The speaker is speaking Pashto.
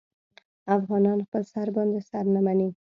افغانان خپل سر باندې سر نه مني.